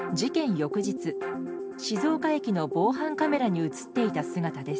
翌日、静岡駅の防犯カメラに映っていた姿です。